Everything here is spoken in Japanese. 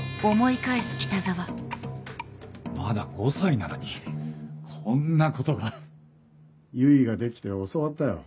まだ５歳なのにこんなことが唯ができて教わったよ